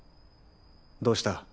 どうした？